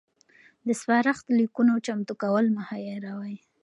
د سپارښت لیکونو چمتو کول مه هیروئ.